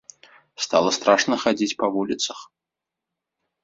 Стала страшна хадзіць па вуліцах!